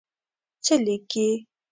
څه لیکې.